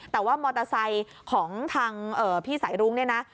แต่ว่ามอเตอร์ไซค์ของทางพี่สายรุ้งเนี่ยนะ